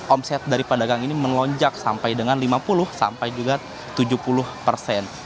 omset dari pedagang ini melonjak sampai dengan lima puluh sampai juga tujuh puluh persen